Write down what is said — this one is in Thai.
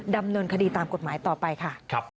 ดำเนินคดีตามกฎหมายต่อไปค่ะ